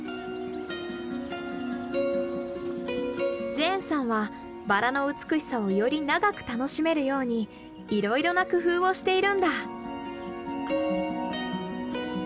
ジェーンさんはバラの美しさをより長く楽しめるようにいろいろな工夫をしているんだ。